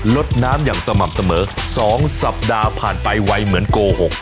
ลดน้ำอย่างสม่ำเสมอ๒สัปดาห์ผ่านไปวัยเหมือนโกหก